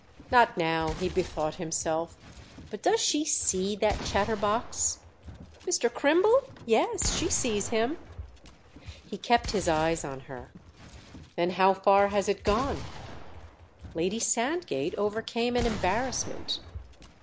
"Not now"—he bethought himself. "But does she see that chatterbox?" "Mr. Crimble? Yes, she sees him." He kept his eyes on her. "Then how far has it gone?" Lady Sandgate overcame an embarrassment.